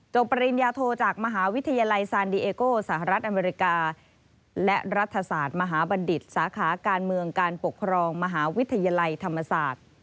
ปริญญาโทจากมหาวิทยาลัยซานดีเอโก้สหรัฐอเมริกาและรัฐศาสตร์มหาบัณฑิตสาขาการเมืองการปกครองมหาวิทยาลัยธรรมศาสตร์